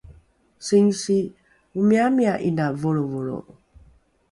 singsi omiamia ’ina volrovolro